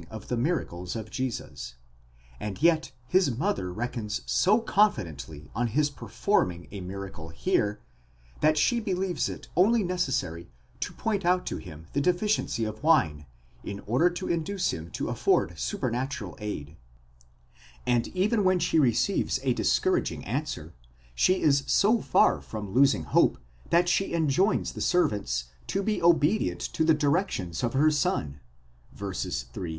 523 of the miracles of Jesus, ἀρχὴ τῶν σημείων ; and yet his mother reckons so confidently on his performing a miracle here, that she believes it only necessary to point out to him the deficiency of wine, in order to induce him: to afford supernatural aid; and even when she receives a discouraging answer, she is so far from losing hope, that she enjoins the servants to be obedient to the directions of her son (v. 3, 5).